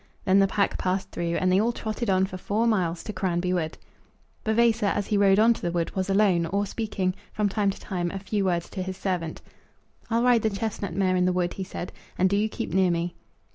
Then the pack passed through, and they all trotted on for four miles, to Cranby Wood. Vavasor, as he rode on to the wood, was alone, or speaking, from time to time, a few words to his servant. "I'll ride the chestnut mare in the wood," he said, "and do you keep near me."